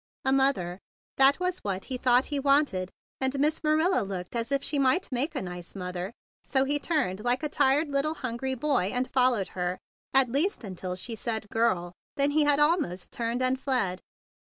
A mother, that was what he thought he wanted; and Miss Marilla looked as if she might make 42 THE BIG BLUE SOLDIER a nice mother. So he turned like a tired little hungry boy, and followed her, at least until she said "girl." Then he almost turned and fled.